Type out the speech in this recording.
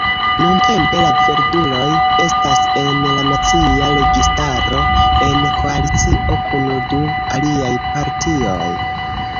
Nuntempe la Verduloj estas en la nacia registaro, en koalicio kun du aliaj partioj.